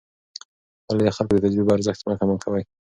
ولې د خلکو د تجربو ارزښت مه کم کوې؟